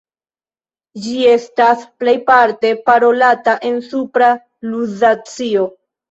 Ĝi estas plejparte parolata en Supra Luzacio.